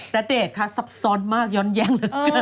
ณเดชน์คะซับซ้อนมากย้อนแย้งเลย